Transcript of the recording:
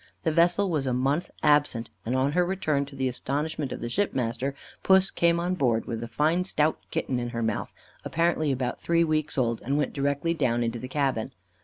The vessel was a month absent, and on her return, to the astonishment of the shipmaster, Puss came on board with a fine stout kitten in her mouth, apparently about three weeks old, and went directly down into the cabin.